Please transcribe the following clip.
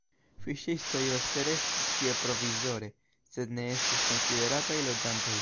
Fiŝistoj ofte restis tie provizore, sed ne estis konsiderataj loĝantoj.